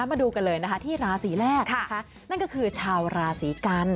มาดูกันเลยที่ราศีแรกนั่นก็คือชาวราศีกัน